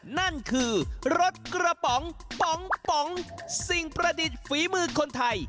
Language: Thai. นั่นคือรถกระป๋องป๋องสิ่งประดิษฐ์ฝีมือคนไทย